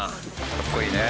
かっこいいね。